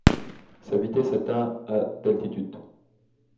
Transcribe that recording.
Sa vitesse atteint à d'altitude.